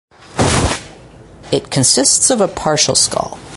It consists of a partial skull.